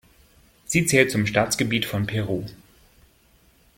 Sie zählt zum Staatsgebiet von Peru.